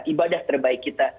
ibadah terbaik kita